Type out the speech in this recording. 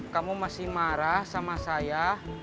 kamu masih marah sama saya